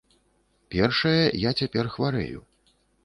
Першае, я цяпер хварэю.